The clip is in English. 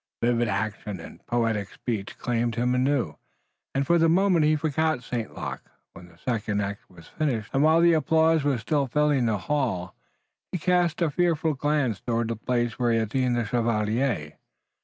Vivid action and poetic speech claimed him anew, and for the moment he forgot St. Luc. When the second act was finished, and while the applause was still filling the hall, he cast a fearful glance toward the place where he had seen the chevalier.